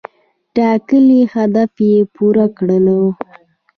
ټاکلی هدف یې پوره کړی و.